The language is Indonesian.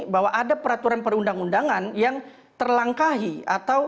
bahwa ada peraturan perundang undangan yang terlangkahi atau